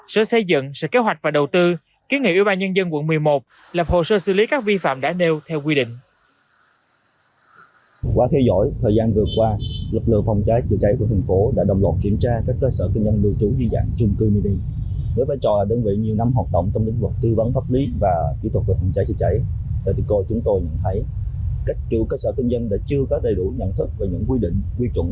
sở xây dựng sự kế hoạch và đầu tư kiến nghị ubnd quận một mươi một lập hồ sơ xử lý các vi phạm đã nêu theo quy định